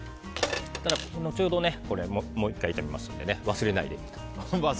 後ほど、もう１回炒めますので忘れないでいてください。